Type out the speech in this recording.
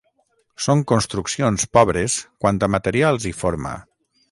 Són construccions pobres quant a materials i forma.